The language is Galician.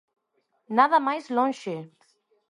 ¡Nada máis lonxe!